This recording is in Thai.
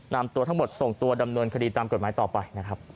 นำตัวทั้งหมดส่งตัวดำเนินคดีตามกฎหมายต่อไปนะครับ